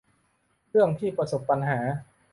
เรื่องที่ประสบปัญหา